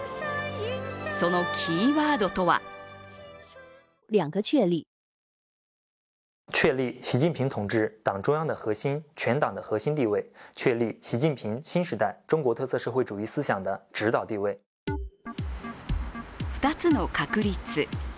そのキーワードとは２つの確立。